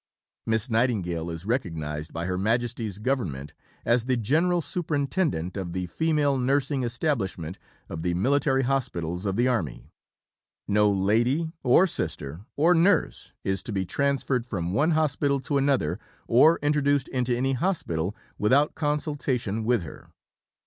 Miss Nightingale is recognized by Her Majesty's Government as the General Superintendent of the Female Nursing Establishment of the military hospitals of the Army. No lady, or sister, or nurse is to be transferred from one hospital to another, or introduced into any hospital, without consultation with her.